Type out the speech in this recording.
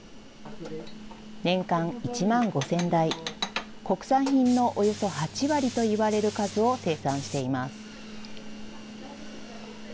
年間１万５０００台、国産品のおよそ８割といわれる数を生産しています。